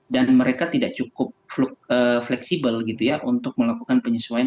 dan mereka tidak cukup fleksibel gitu ya untuk melakukan penyesuaian